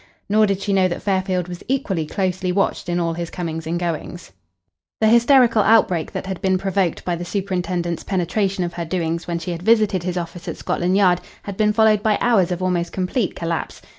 Nor did she know that Fairfield was equally closely watched in all his comings and goings. The hysterical outbreak that had been provoked by the superintendent's penetration of her doings when she had visited his office at Scotland Yard had been followed by hours of almost complete collapse.